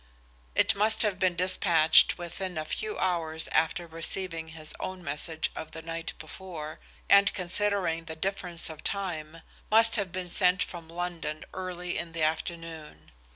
It must have been dispatched within a few hours after receiving his own message of the night before, and considering the difference of time, must have been sent from London early in the afternoon.